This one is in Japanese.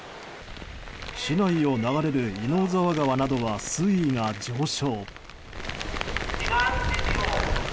市内を流れる稲生沢川などは水位が上昇。